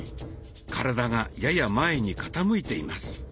体がやや前に傾いています。